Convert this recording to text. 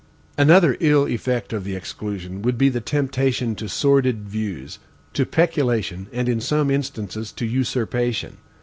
Another ill effect of the exclusion would be the temptation to sordid views, to peculation, and, in some instances, to usurpation.